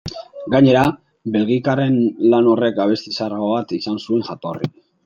Gainera, belgikarren lan horrek abesti zaharrago bat izan zuen jatorri.